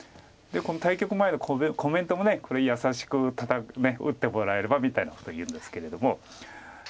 この対局前のコメントも優しく打ってもらえればみたいなことを言うんですけれども。